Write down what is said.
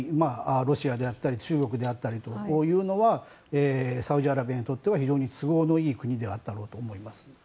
ロシアであったり中国であったりというのはサウジアラビアにとっては非常に都合のいい国であっただろうと思います。